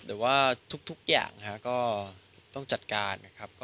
แต่ว่าทุกอย่างก็ต้องจัดการ